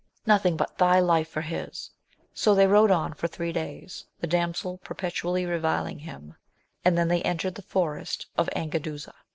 — ^Nothing but thy Hfe for his. So they rode on for three days ; the damsel perpetually reviling him, and then they entered the forest of Angaduza.